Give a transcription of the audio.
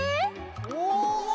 お！